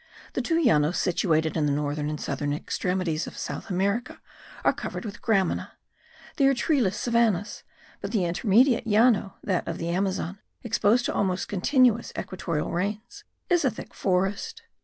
The two Llanos situated at the northern and southern extremities of South America are covered with gramina; they are treeless savannahs; but the intermediate Llano, that of the Amazon, exposed to almost continual equatorial rains, is a thick forest.